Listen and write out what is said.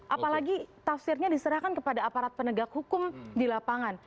apalagi tafsirnya diserahkan kepada aparat penegak hukum di lapangan